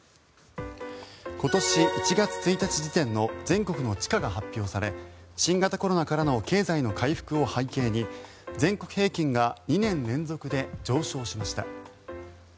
今年１月１日時点の全国の地価が発表され新型コロナからの経済の回復を背景に全国平均が２年連続で上昇しました。